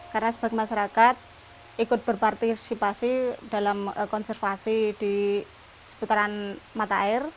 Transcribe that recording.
karena sebagai masyarakat ikut berpartisipasi dalam konservasi di seputaran mata air